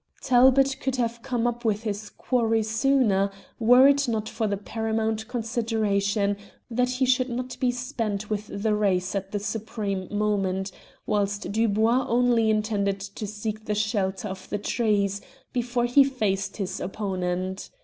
Talbot could have come up with his quarry sooner, were it not for the paramount consideration that he should not be spent with the race at the supreme moment, whilst Dubois only intended to seek the shelter of the trees before he faced his opponent.